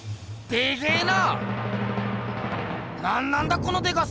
でっけえな。